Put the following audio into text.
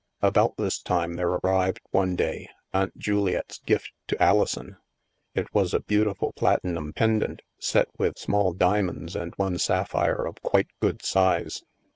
About this time there arrived, one day, Aunt Juli ette's gift to Alison. It was a beautiful platinum pendant set with small diamonds and one sapphire of quite good size.